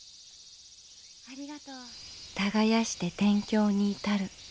耕して天境に至る。